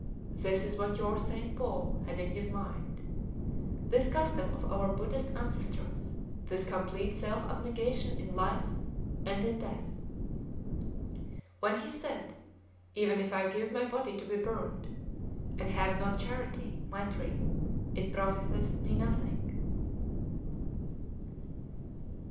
This is what your St. Paul had in his mind, this custom of our Buddhist ancestors, this complete self abnegation in life and in death, when he said, 'Even if I give my body to be burned, and have not charity [maitrî], it profiteth me nothing.'"